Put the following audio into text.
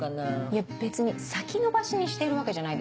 いや別に先延ばしにしているわけじゃないですよ。